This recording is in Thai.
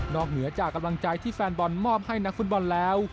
เหนือจากกำลังใจที่แฟนบอลมอบให้นักฟุตบอลแล้ว